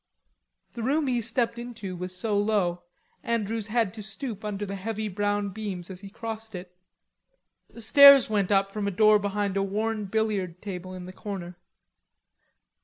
The room he stepped into was so low, Andrews had to stoop under the heavy brown beams as he crossed it. Stairs went up from a door behind a worn billiard table in the corner.